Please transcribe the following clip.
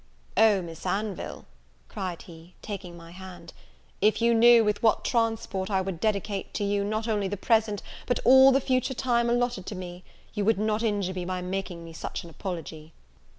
"O Miss Anville," cried he, taking my hand, "if you knew with what transport I would dedicate to you not only the present but all the future time allotted to me, you would not injure me by making such an apology."